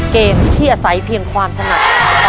เกมที่อาศัยเพียงความถนัด